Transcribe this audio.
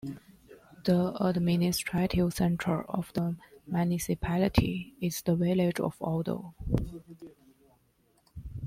The administrative centre of the municipality is the village of Alvdal.